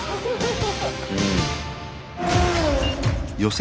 うん。